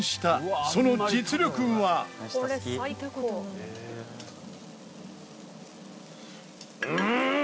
その実力はうん！